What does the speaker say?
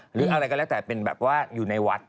หรืออะไรก็แล้วแต่เป็นแบบว่าอยู่ในวัด